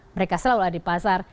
mereka selalu ada di pasar